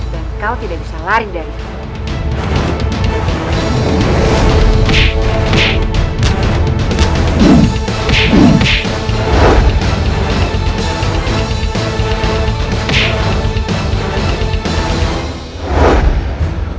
dan kau tidak bisa lari dari sini